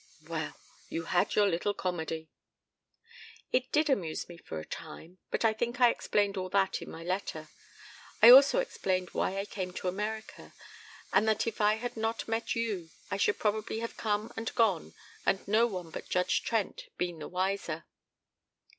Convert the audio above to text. "Well, you had your little comedy!" "It did amuse me for a time, but I think I explained all that in my letter. I also explained why I came to America, and that if I had not met you I should probably have come and gone and no one but Judge Trent been the wiser.